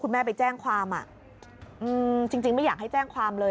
แม่ไปแจ้งความจริงไม่อยากให้แจ้งความเลย